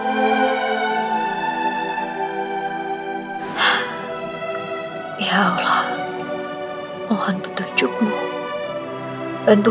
bisa pacit temenku